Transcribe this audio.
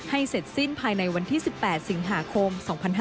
เสร็จสิ้นภายในวันที่๑๘สิงหาคม๒๕๕๙